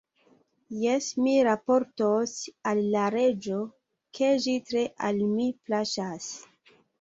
Jes, mi raportos al la reĝo, ke ĝi tre al mi plaĉas!